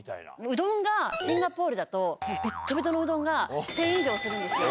うどんがシンガポールだと、べっとべとのうどんが１０００円以上するんですよ。